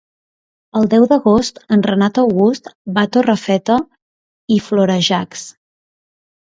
El deu d'agost en Renat August va a Torrefeta i Florejacs.